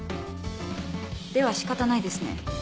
では仕方ないですね。